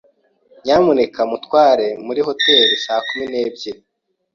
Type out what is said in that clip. Nyamuneka muntware muri hoteri saa kumi n'ebyiri.